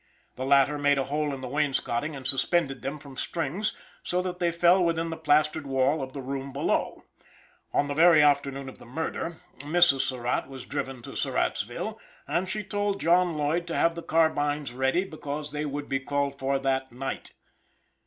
The latter made a hole in the wainscotting and suspended them from strings, so that they fell within the plastered wall of the room below. On the very afternoon of the murder, Mrs. Surratt was driven to Surrattsville, and she told John Lloyd to have the carbines ready because they would be called for that night.